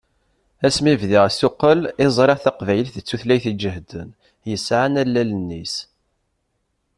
Asmi bdiɣ asuqel i ẓriɣ taqbaylit d tutlayt iǧehden, yesɛan allalen-is.